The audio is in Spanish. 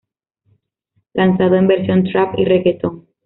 Lanzado en versión trap y reguetón.